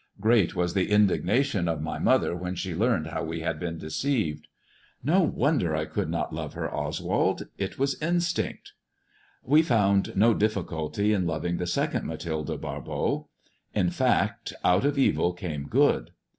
Great was the indignation of my mother when she learned how we bad been deceived. "No wonder I could not love her, Oswald. It was instinct." We found no difficulty in loving the second Mathilde Barbot. In fact, out of evil came good.